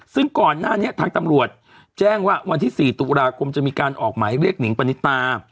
ซึ่งก่อนหน้านี้ทางตำรวจแจ้งว่าวันที่๔ตุลาคมจะมีการออกหมายเรียกหนิงปณิตา